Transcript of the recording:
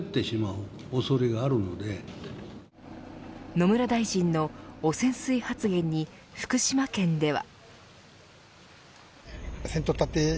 野村大臣の汚染水発言に福島県では。